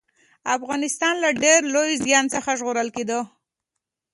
افغانستان له ډېر لوی زيان څخه ژغورل کېده